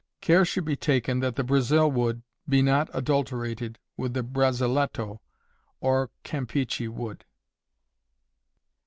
Care should be taken that the Brazil wood be not adulterated with the Braziletto or campeachy wood.